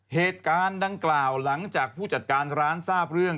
เหตุการณ์ดังกล่าวหลังจากผู้จัดการร้านทราบเรื่อง